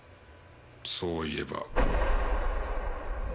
そういえば。